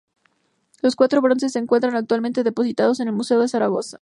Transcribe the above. Los cuatro bronces se encuentran actualmente depositados en el Museo de Zaragoza.